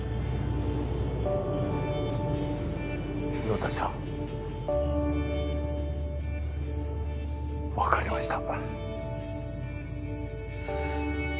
野崎さん分かりました。